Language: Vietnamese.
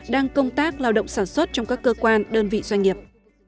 đang công tác lao động sản xuất trong các cơ quan đơn vị doanh nghiệp